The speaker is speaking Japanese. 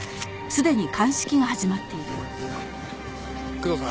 工藤さん。